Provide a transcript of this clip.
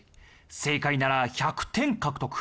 正解なら１００点獲得。